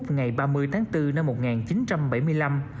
chín h ngày ba mươi tháng bốn năm một nghìn chín trăm bảy mươi năm